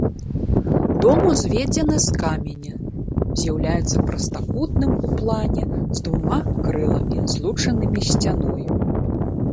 Дом узведзены з каменя, з'яўляецца прастакутным ў плане з двума крыламі, злучанымі сцяной.